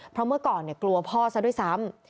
เพราะเมื่อก่อนกลัวพ่อซะด้วยซ้ำ